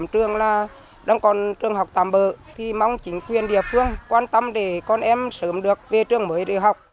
trường học tạm bờ mong chính quyền địa phương quan tâm để con em sớm được về trường mới để học